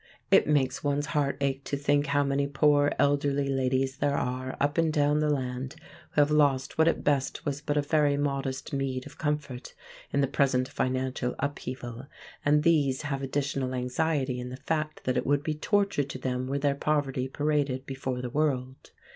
It makes one's heart ache to think how many poor elderly ladies there are up and down the land, who have lost what at best was but a very modest meed of comfort, in the present financial upheaval; and these have additional anxiety in the fact that it would be torture to them were their poverty paraded before the world.